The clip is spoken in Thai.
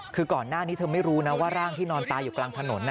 คือก่อนหน้านี้เธอไม่รู้นะว่าร่างที่นอนตายอยู่กลางถนน